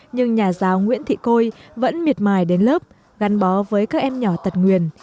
nhưng nhà giáo nguyễn thị côi vẫn miệt mài đến lớp gắn bó với các em nhỏ tật nguyền